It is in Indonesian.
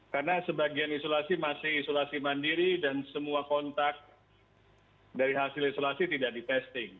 karena sebagian isolasi masih isolasi mandiri dan semua kontak dari hasil isolasi tidak di testing